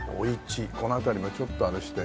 この辺りもちょっとあれして。